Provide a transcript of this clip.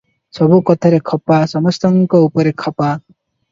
ସବୁ କଥାରେ ଖପା, ସମସ୍ତଙ୍କ ଉପରେ ଖପା ।